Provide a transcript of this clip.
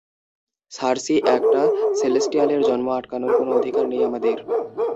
সার্সি, একটা সেলেস্টিয়ালের জন্ম আটকানোর কোন অধিকার নেই আমাদের।